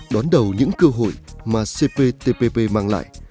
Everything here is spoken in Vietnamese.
đón đầu những cơ hội mà cptpp mang lại